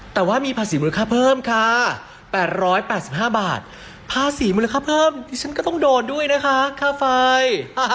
แต่ว่ามีภาษีมูลค่าเพิ่มค่ะ๘๘๕บาทภาษีมูลค่าเพิ่มที่ฉันก็ต้องโดนด้วยนะคะค่าไฟ